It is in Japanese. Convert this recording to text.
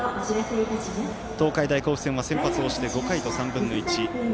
東海大甲府戦は先発をして５回と３分の１。